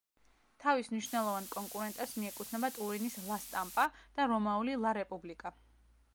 თავის მნიშვნელოვან კონკურენტებს მიეკუთვნება ტურინის „ლა სტამპა“ და რომაული „ლა რეპუბლიკა“.